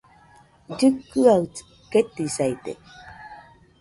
Llikɨaɨ ketisaide